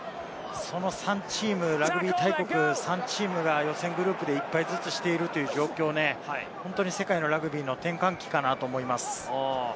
その３チーム、ラグビー大国が予選グループで１敗ずつしているという状況、本当に世界のラグビーの転換期かなと思います。